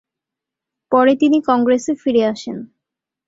পরে তিনি কংগ্রেসে ফিরে আসেন।